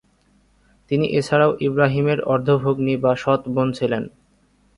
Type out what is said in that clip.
তিনি এছাড়াও ইব্রাহিমের অর্ধ-ভগ্নী বা সৎ বোন ছিলেন।